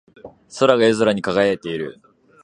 星が夜空に輝いている。